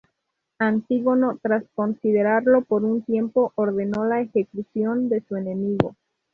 Antígono, tras considerarlo por un tiempo, ordenó la ejecución de su enemigo.